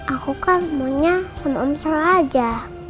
aku kan maunya sama omsel aja